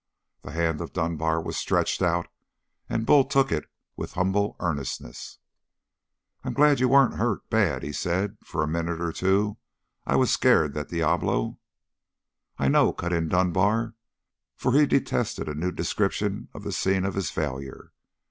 The hand of Dunbar was stretched out, and Bull took it with humble earnestness. "I'm glad you weren't hurt bad," he said. "For a minute or two I was scared that Diablo " "I know," cut in Dunbar, for he detested a new description of the scene of his failure.